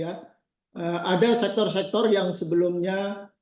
ada sektor sektor yang sebelumnya